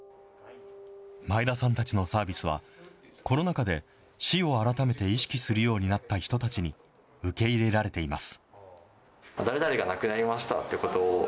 前田さんたちのサービスは、コロナ禍で死を改めて意識するようになった人たちに、受け入れられています。